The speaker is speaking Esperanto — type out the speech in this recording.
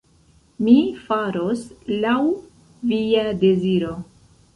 Mi faros laŭ via deziro.